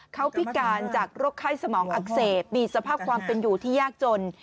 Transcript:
เขาพิการจากโรคไข้สมองอักเสบมีสภาพความเป็นอยู่ที่ยากจน